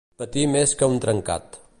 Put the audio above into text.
Patir més que un trencat.